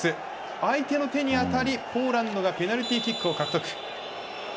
相手の手に当たりポーランドがペナルティーキックを獲得。